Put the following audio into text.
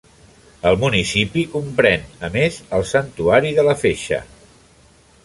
El municipi comprèn a més, el santuari de la Feixa.